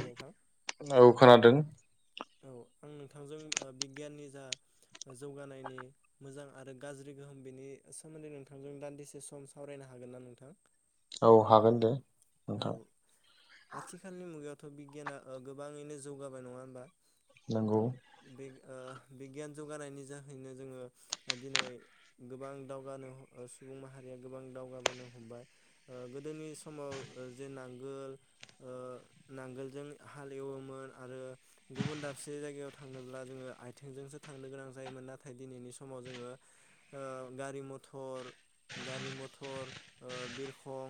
औ औ खोनादों औ आं नोंथांजों बिगियाननि जा जौगानायनि मोजां आरो गाज्रि गोहोम बेनि सोमोन्दै नोंथांजों दान्दिसे सम सावरायनो हागोन ना नोंथां औ हागोन दे औ नोंथां आथिखालनि मुगाया थ' बिगियाना ओ गोबाङैनो जौगाबाय नङा होनबा नोंगौ ओ बिगियान जौगानायनि जाहैनो जोङो दिनै गोबां दावगानो सुबुं माहारिया गोबां दावगाबोनो हमबाय ओ गोदोनि समाव ओ जे नांगोल ओ नांगोलजों हाल एवोमोन आरो गुबुन दाबसे जायगायाव थांनोब्ला जोङो आथेंजोंसो थांनो गोनां जायोमोन नाथाय दिनैनि समाव जोङो ओ गारि-मथर गारि-मथर ओ बिरखं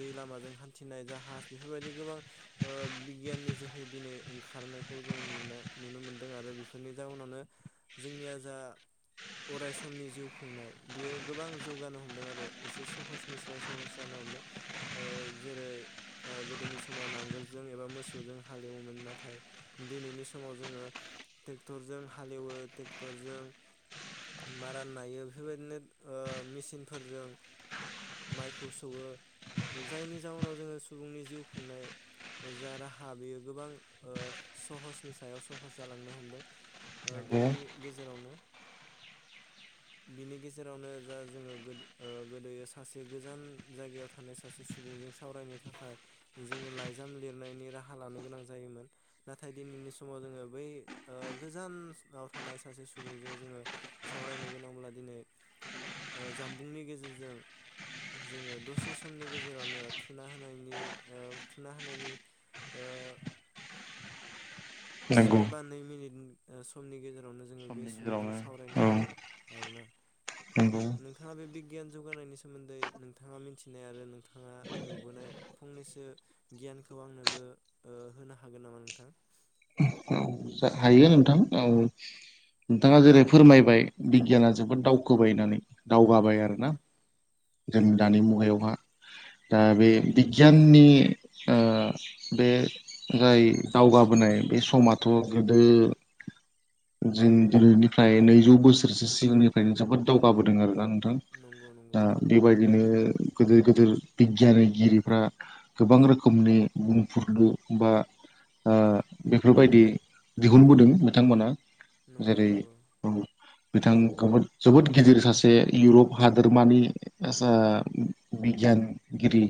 दै लामाजों हान्थिनाय जाहाज बेफोरबायदि गोबां ओ बिगियाननि जोहै दिनै ओंखारनायखौ जों नुनाय नुनो मोनदों आरो बेफोरनि जाउनावनो जोंनिया जा अराय समनि जिउ खुंनाय बियो गोबां जौगानो हमदों आरो एसे सह'सनिस्राय सह'स जानो हमदों। जेरै ओ गोदोनि समाव नांगोलजों एबा मोसौजों हालेवोमोन नाथाय दिनैनि समाव जोङो टेक्टरजों हालेवो टेक्टरजों मारा नायो बेफोरबायदिनो ओ मेसिनफोरजों माइखौ सौवो जायनि जाउनाव जोङो सुबुंनि जिउ खुंनाय जा राहा बेयो गोबां ओ सह'सनि सायाव सह'स जालांनो हमदों। ओ नंगौ बिनि गेजेरावनो बिनि गेजेरावनो जा जोङो गोद ओ गोदो सासे गोजान जायगायाव थानाय सासे सुबुंजों सावरायनो थाखाय जोङो लाइजाम लिरनायनि राहा लानो गोनां जायोमोन नाथाय दिनैनि समाव जोङो बै ओ गोजानाव थानाय सासे सुबुंजों जोङो सावरायनो गोनांब्ला दिनै जामबुंनि गेजेरजों जोङो दसे समनि गेजेरावनो थुना होनायनि ओ थुना होनायनि ओ से नंगौ बा नै मिनिट समनि गेजेरावनो जोङो बे समनि सुबुंजों गेजेरावनो सावरायनो औ हायो आरोना नंगौ नोंथाङा बे बिग गियान जौगानायनि सोमोन्दै नोंथाङा मिथिनाय आरो नोंथाङा नुबोनाय फंनैसो गियानखौ आंनोबो ओ होनो हागोन नामा नोंथां हायो नोंथां ओ नोंथाङा जेरै फोरमायबाय बिगियाना जोबोद दावखोबाय होननानै दावगाबाय नंगौ आरो ना नंगौ जों दानि मुगायावहा दा बे बिगियाननि ओ बे जाय दावगाबोनाय बे समा थ' गोदो जों दिनैनिफ्राय नैजौ बोसोरसो सिगांनिफ्रायनो जोबोद दावगाबोदों आरोना नों थां नंगौ नंगौ दा बेबायदिनो गोदोर गोदोर बिगियानगिरिफ्रा गोबां रोखोमनि बुंफुरलु बा बेफोरबायदि दिहुनबोदों बिथांमोना नोंगौ जेरै नोंगौ औ बिथां गोबोद जोबोद गिदिर सासे इउरप हादोरमानि बिगियानगिरि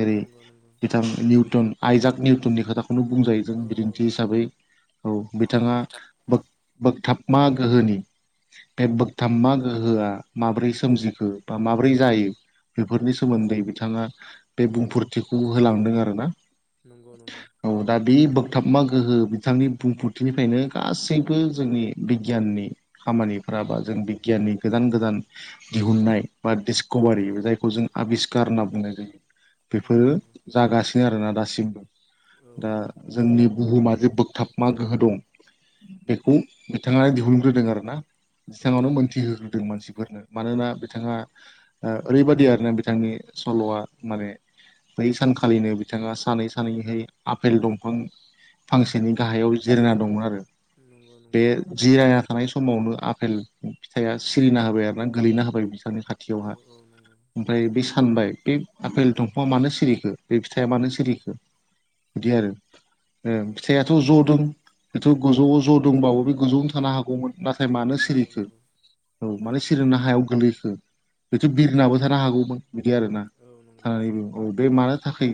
जेरै नंगौ नंगौ बिथां निउटन आयजाक निउटननि खोथाख बेखौनो बुंजायो जों औ औौ बिदिन्थि हिसाबै औ बिथाङा बो बोगथाबमा गोहोनि बे बोगथाबमा गोहोआ माबोरै सोमजिखो बा माबोरै जायो बेफोरनि सोमोन्दै बिथाङा बे बुंफोरथिखौ होलांदों आरोना नंगौ नंगौ थाबमा गोहो बिथांनि बुंफोरथिनिफ्रायनो गासैबो जोंनि बिगियाननि खामानिफोरा बा जों बिगियाननि गोदान गोदान दिहुननाय बा डिसक'भारि जायखौ जों आबिस्कार होनना बुंनाय जायो नंगौ बेफोरो नंगौ जागासिनो आरोना दासिम औ दा औ जोंनि बुहुमा जे बोगथाब मा गोहो दं बेखौ बिथाङानो दिहुनग्रोदों आरोना बिथाङावनो नंगौ मोनथिहोग्रोदों मानसि फोरनो मानोना बिथाङा ओ ओरैबायदि आरोना बिथांनि सल'वा माने बै सानखालिनो बिथाङा सानै सानैहाय आफेल दंफां फांसेनि गाहायाव जिरायना दंमोन आरो नंगौ बे नंगौ जिरायना‌ थानाय समावनो आफेल फिथाइया सिरिना होबाय आरोना गोलैना होबाय बिथांनि खा खाथियाव औ औ नंगौ ओमफ्राय बे सानबाय बे आफेल दंफाङा मानो सिरिखो बे फिथाइया मानो सिरिखो बिदि आरो ओ औ औ फिथाय बेथ' गोजौआव ज' दंबा बे गोजौआवनो थानो हागौमोन नाथाय मानो नंगौ सिरिखो नंगौ औ माने नंगौ सिरिना हायाव गोलैखो बेथ' बिरनाबो थानो हागौमोन बिदि आरोना औ नंगौ थानानैबो बे मानो थाखाय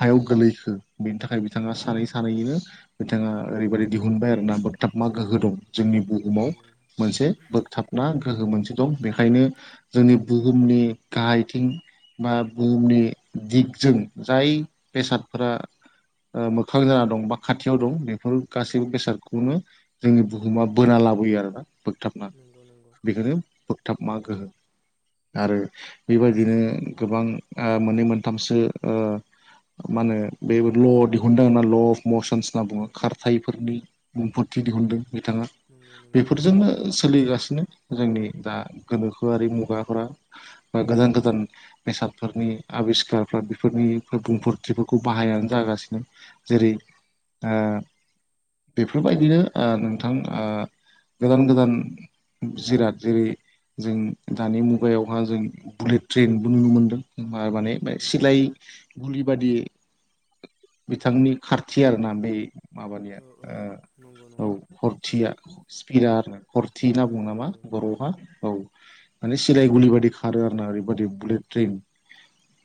हायाव गोलैखो बेनि थाखाय बिथाङा सानै सानैैनो बिथाङा ओरैबायदि दिहुनबाय आरो ना बोगथाबमा गोहो दं जोंनि बुहुमाव नंगौ मोनसे बोगथाबमा गोहो मोनसे दं बेखायनो जोंनि बुहुमनि गाहायथिं बा बुहुमनि दिगजों जाय बेसादफोरा मोखां जाना दं बा खाथि खाथियाव दं बेफोर गासैबो बेसादखौनो जोंनि बुहुमा बोना लाबोयो आरोना बोगथाबना नंगौ नंगौ बेखौनो थाबमा गोहो आरो बेबायदिनो गोबां ओ मोननै मोनथामसो ओ मा होनो बे ल' दिहुनदों होना ल' अफ मसनस होनना बुङो खारथायफोरनि बुंफोरथि दिहुनदों। बिथाङा नंगौ नंगौ बेफोरजोंनो सोलिगासिनो जोंनि दा गोनोखोआरि मुगाफोरा बा गोदान गोदान बेसादफोरनि आबिस्कारफ्रा बेफोरनि बुंफोरथिफोरखौ बाहायनानो जागासिनो जेरै ओ बेफोरबायदिनो ओ नोंथां ओ गोदान गोदान जिराद जेरै जों दानि मुगायावहा जों बुलेट ट्रेनबो नुनो मोनदों। बा नंगौ माने नंगौ सिलाय गुलि बादि। बिथांनि खारथि आरो ना बे माबानिया औ औ नंगौ औ नंगौ खरथिया थारैनो स्पिडा आरो खरथि होनना बुङो नंगौ नामा नंगौ बर'हा औ। माने सिलाय गुलि बादि खारो आरोना ओरैबायदि बुलेट ट्रेन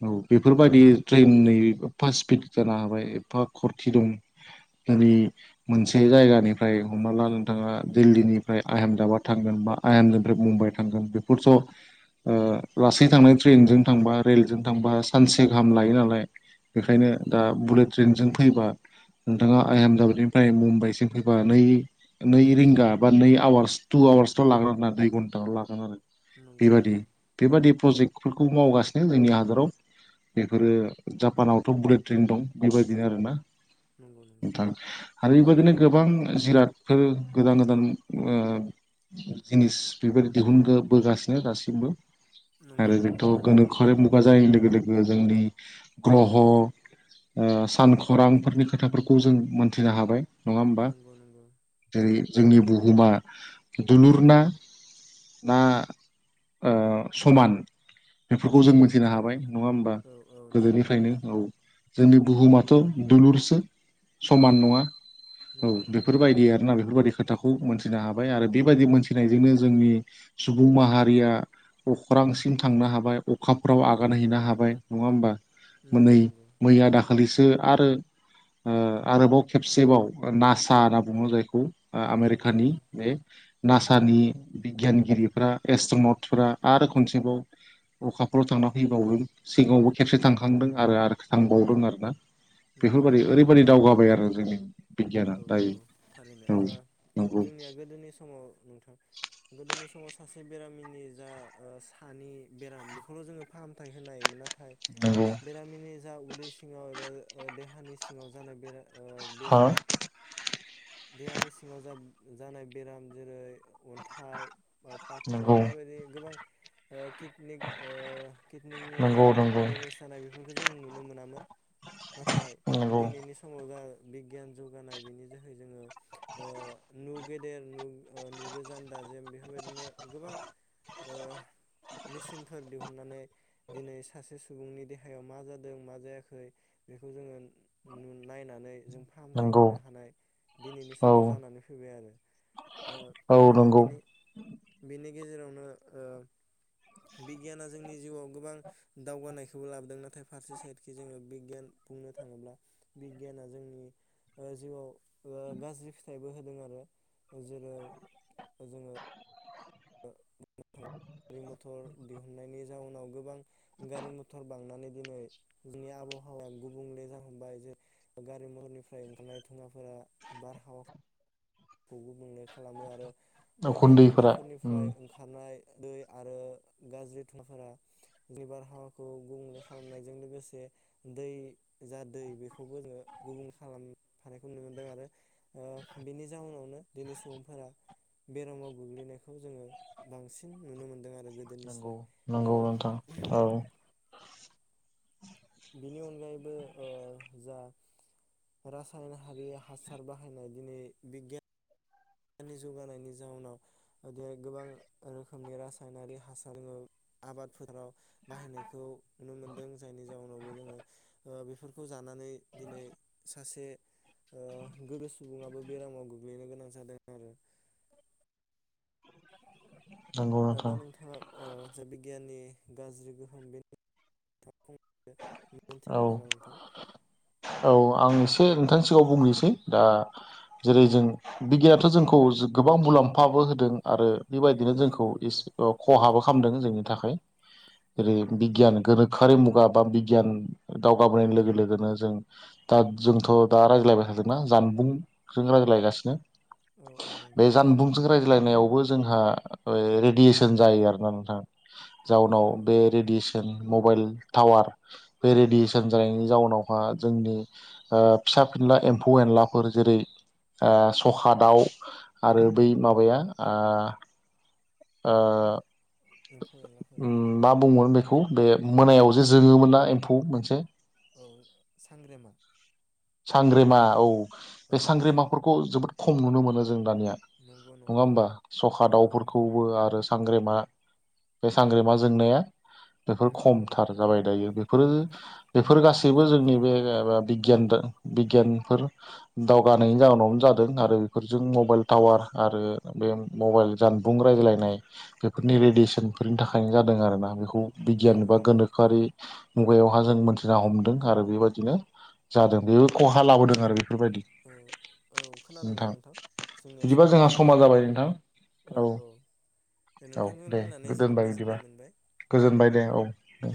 औ बेफोरबायदि ट्रेननि एफा स्पिड जानो हाबाय एफा खरथि दं। दिनै मोनसे जायगानिफ्राय हमनाला नोंथाङा दिल्लीनिफ्राय आहमेदाबाद थांगोन बा आहमेदनिफ्राय मुम्बाइ थांगोन बेफोरथ' लासै थांनाय ट्रेनजों थांबा रेलजों थांबा सानसे गाहाम लायो नालाय। नंगौ नंगौ बेखायनो दा बुलेट ट्रेनजों फैबा नोंथाङा आहेमदाबादनिफ्राय मुम्बाइसिम फैबा नै नै रिंगा बा नै आवार्स टु आवार्सथ' लागोन आर ना दुइ घन्टाल' लागोन आरो। नंगौ नंगौ बेबादि बेबादि प्रजेक्टफोरखौ मावगासिनो जोंनि हादराव बेफोरो जापानावथ' बुलेट ट्रेन दं बेबायदिनो आरोना। नंगौ नंगौ नोंथां आरो औ बेबायदिनो गोबां जिरादफोर गोदान गोदान जिनिस बेबायदि दिहुनबोगासिनो दासिमबो नंगौ आरो जोंथ' नंगौ गोनोखोरि मुगा जानाय लोगो लोगो जोंनि ग्रह सानखरांफोरनि खोथाफोरखौ जों मोनथिनो हाबाय। नङा होमबा नंगौ नंगौ जेरै जोंनि बुहुमा दुलुरना ना समान? बेफोरखौ जों नंगौ मिथिनो नंगौ हाबाय नङा होमबा औ औ नंगौ गोदोनिफ्रायनो औ जोंनि बुहुमाथ' दलुरसो। समान नङा। औ नंगौ नंगौ बेफोरबायदि आरोना बेफोरबायदि खोथाखौ मोनथिनो हाबाय आरो बेबायदि मोनथिनायजोंनो जोंनि सुबुं माहारिया अख्रांसिम थांनो हाबाय अखाफ्राव आगान हैैनो हाबाय नङा होमबा? नंगौ नंगौ मोनै मैया दाखालि जो आरो आरोबाव खेबसेबाव नासा होनना बुङो जायखौ। नंगौ आमेरिकानि बे। नासानि बिगियानगिरिफ्रा एस्ट्रनथफ्रा आरो खनसेबाव अखाफोराव थांना फैबावदों सिगाङावबो खेबसे थांखांदों आरो थांबावदों आरो ना। नंगौ नंगौ [inaudible] जाबाय आरो जोंनि बिगियाना औ औ दायो थारैनो औ नंगौ जोंनिया गोदोनि समाव नोंथां गोदोनि समाव [inaudible] सासे बेरामिनि जा सानि बेराम बेखौल' जोङो फाहामथाय होनायोन ना [inaudible] नाथाय नंगौ बेरामिनि जा उदै सिङाव एबा [inaudible] देहानि सिङाव जानाय बेराद आ हा बेराम देहानि सिङाव जानाय बेराम जेरै अन्थाइ बा नंगौ पाथर बेफोरबायदि गोबां ओ कितनिक ओ कितनिकनि जा नंगौ नंगौ देमेज जानाय बेफोरखौ बेखौ जों नुनो मोनामोन नाथाय नंगौ दिनैनि समाव जा बिगियान जौगानाय बेनि जोहै जोङो ओ नु गेदेर नु ओ नुगोजान दाजेम बेफोरबायदिनो गोबां ओ मेसिनफोर दिहुननानै दिनै सासे सुबुंनि देहायाव मा जादों मा जायाखै बेखौ जोङो नायनानै जों नंगौ होनो हानाय दिनैनि समाव औ जानानै फैबाय आरो ओ औ उम नंगौ बिनि बिनि नि गेजेरावनो ओ बिगियाना जोंनि जिउआव गोबां दावगानायखौबो लाबोदों नाथाय फारसे साइडखि जोङो बिगियान बुंनो थाङोब्ला बिगियाना जोंनि ओ जिउआव ओ गाज्रि फिथाइबो होदों आरो जेरै जोङो [unintelligible] गारि मथर दिहुननायनि जाउनाव गोबां गारि मथर बांनानै दिनै जोंनि आबहावाया गुबुंले जाहोबाय जे गारि मथरनिफ्राय ओंखारनाय थुङाफोरा बारहावा खौबो बुंनो खालामो आरो उखुन्दैफोरा उम कलकारखानाफोरनिफ्राय ओंखारनाय दै आरो गाज्रि थुफोरा बे बारहावाखौ गुबुंले खालामनायजों लोगोसे दै जा दै बेखौबो जोङो गुबुं खालामफानायखौ नुनो मोनदों आरो ओ बेनि जाउनावनो दिनै सुबुंफोरा बेरामाव गोग्लैनायखौ जोङो बांसिन नुनो मोनदों आरो गोदोनिस्राय नोंगौ ओ नोंगौ नोंथां औ [inaudible] बिनि अनगायैबो ओ जा रासायन हारि हासार बाहायनाय दिनै बिगियान गोननि जौगानायनि जाउनाव गोबां रोखोमनि रासायनारि हासार दोङो आबादफोराव बाहायनायखौ नुनो मोनदों जायनि जाउनावबो जोङो ओ बेफोर जानानै दिनै सासे ओ गोदो सुबुङाबो बेरामाव गोग्लैनो गोनां जादों आरो नंगौ दा नोंथां नोंथाङा ओ जे बिगियाननि गाज्रि गोहोम बेनो औ मोनथिगौ नामा नोंथां औ [unintelligible] एसे नोंथांनि सिगाङाव बुंनोसै दा जेरै जों बिगियानथ' जोंखौ गोबां मुलाम्फाबो होदों आरो बेबायदिनो जोंखौ नंगौ एसे नंगौ ओ खहाबो खालामदों जोंनि थाखाय औ जेरै औ बिगियान गोनोखोआरि मु बां बिगियान दावगाबोनाय लोगो लोगोनो जों दा जोंथ' दा रायज्लायबाय थादोंना जानबुंजों रायज्लायगासिनो औ औ नंगौ बे जानबुंजों रायजो लायनायावबो जोंहा रेडियेसन जायो आरोना नोंथां नंगौ जाउनाव नंगौ बे रेडिस जों मबेल टावार बे रेडियेसन जानायनि जाउनावहा जोंनि ओ फिसा फिनला एम्फौ एनलाफोर जेरै ओ सखा दाउ आरो बै माबाया आ ओ एम्फौ एनलाफोरा उम मा बुंबावनो बेखौ बे मोनायाव जे जोङोमोन ना एम्फौ मोनसे‌ औ सांग्रेमा सांग्रेमा औ बे औ सांग्रेमाफोरखौ जोबोद खम नुनो मोनो जों दानिया नंगौ नङा नंगौ होमबा सखा नंगौ नोंथां दाउफोरखौबो आरो सांग्रेमा बे सांग्रेमा जोंनाया बेफोर नंगौ नंगौ खमथार जाबाय दायो बेफोरो बेफोर गासै बेबो जोंनि बे माबावा बिगियान दा बिगियानफोर दावगानायनि जाउनावनो जादों आरो बेफोरजों मबाइल टावार आरो बे मबाइल जानबुं रायज्लायनाय बेफोरनि रेडियेसनफोरनि थाखायनो जादों आरोना बेखौ बिगियान नंगौ बा नंगौ गोनोखोआरि मुगायावहा जों मोनथिना हमदों आरो बेबायदिनो जादों बेबो खहा लाबोदों आरो बे फोरबायदि औ औ खोनादोंना नोंथां जोंनिया बिदिबा समाबो जोंहा समा जाबायमोन जाबाय नोंथां औ दे औ नोंथांजों दे रायलायनानै जोबोद दोनबाय गोजोननाय बिदिबा मोनबाय गोजोनबाय दे औ दे।